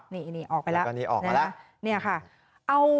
นี่ออกไปแล้ว